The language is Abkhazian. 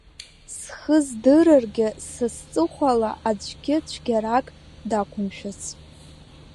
Схы здырыргьы са сҵыхәала аӡәгьы цәгьарак дақәымшәац.